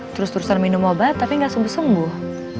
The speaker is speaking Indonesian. terus terusan minum obat tapi gak sembuh sembuh